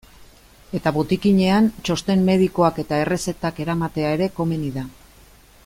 Eta botikinean txosten medikoak eta errezetak eramatea ere komeni da.